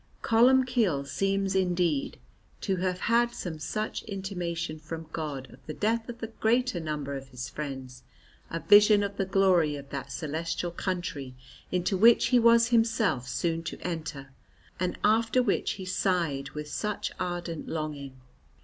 Columbcille seems indeed to have had some such intimation from God of the death of the greater number of his friends; a vision of the glory of that celestial country into which he was himself soon to enter, and after which he sighed with such ardent longing.